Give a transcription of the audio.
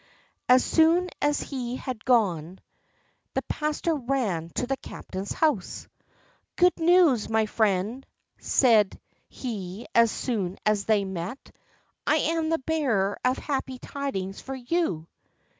As soon as he had gone, the pastor ran to the captain's house. "Good news, my friend," said he as soon as they met "I am the bearer of happy tidings for you.